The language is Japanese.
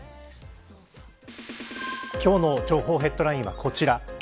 今日の情報ヘッドラインはこちら。